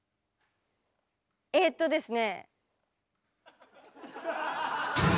えーとですね。